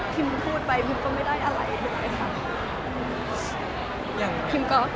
คิมพูดไปคิมก็ไม่ได้อะไรเลยค่ะ